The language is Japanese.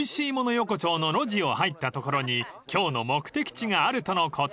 横丁の路地を入った所に今日の目的地があるとのこと］